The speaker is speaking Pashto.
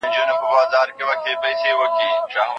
ولي زیارکښ کس د مستحق سړي په پرتله ډېر مخکي ځي؟